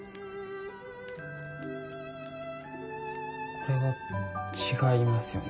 これは違いますよね？